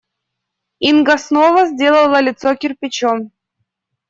Инга снова сделала лицо кирпичом.